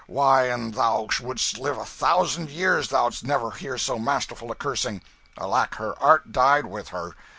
why an' thou should'st live a thousand years thoud'st never hear so masterful a cursing. Alack, her art died with her.